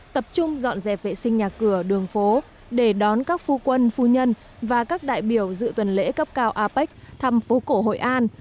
tập trung dọn dẹp vệ sinh nhà cửa đường phố để đón các phu quân phu nhân và các đại biểu dự tuần lễ cấp cao apec thăm phố cổ hội an